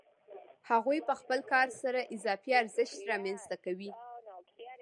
هغوی په خپل کار سره اضافي ارزښت رامنځته کوي